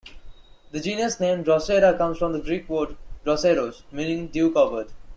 The genus name "Drosera" comes from the Greek word "droseros", meaning "dew-covered".